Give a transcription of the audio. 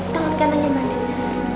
tengok kanannya mbak andin